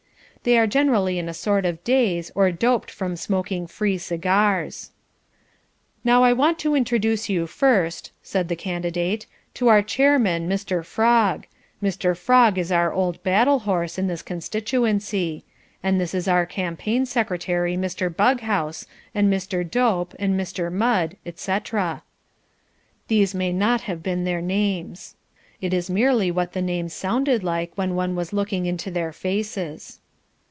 They are generally in a sort of daze, or doped from smoking free cigars. "Now I want to introduce you first," said the Candidate, "to our chairman, Mr. Frog. Mr. Frog is our old battle horse in this constituency. And this is our campaign secretary Mr. Bughouse, and Mr. Dope, and Mr. Mudd, et cetera." Those may not have been their names. It is merely what the names sounded like when one was looking into their faces.